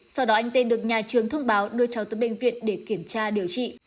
sau đó anh tên được nhà trường thông báo đưa cháu tới bệnh viện để kiểm tra điều trị